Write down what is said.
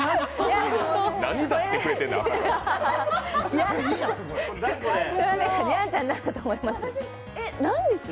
やんちゃん何だと思います？